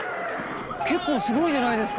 結構すごいじゃないですか！